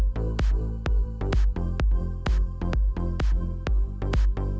โดยกับจอยจ้ะ